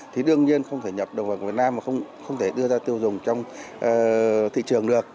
thì đương nhiên không thể nhập được vào việt nam và không thể đưa ra tiêu dùng trong thị trường